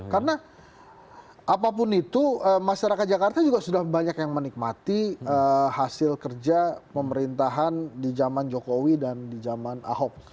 karena apapun itu masyarakat jakarta juga sudah banyak yang menikmati hasil kerja pemerintahan di zaman jokowi dan di zaman ahok